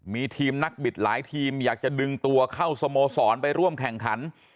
มีทีมนักบิดหลายทีมอยากจะดึงตัวเข้าสโมสรไปร่วมแข่งขัน